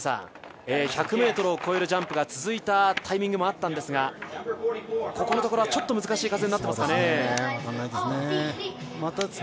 １００ｍを越えるジャンプが続いたタイミングもあったんですが、ここのところはちょっと難しい風になってますかね。